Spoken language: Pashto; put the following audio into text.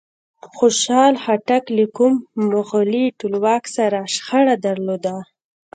خوشحال خټک له کوم مغولي ټولواک سره شخړه درلوده؟